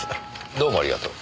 どうもありがとう。